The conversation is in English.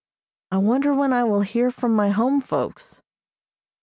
I wonder when I will hear from my home folks?